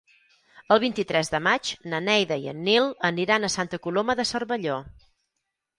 El vint-i-tres de maig na Neida i en Nil aniran a Santa Coloma de Cervelló.